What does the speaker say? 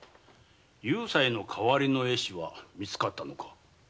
夕斎の代りの絵師はみつかったのか？